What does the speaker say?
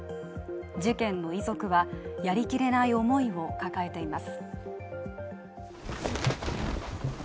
事件の遺族は、やりきれない思いを抱えています。